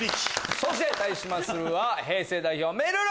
そして対しますは平成代表めるる！